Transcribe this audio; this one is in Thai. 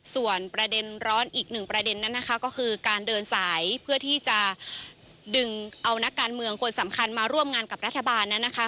ส่วนประเด็นร้อนอีกหนึ่งประเด็นนั้นนะคะก็คือการเดินสายเพื่อที่จะดึงเอานักการเมืองคนสำคัญมาร่วมงานกับรัฐบาลนั้นนะคะ